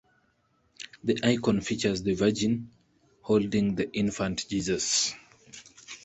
The icon features the Virgin holding the infant Jesus.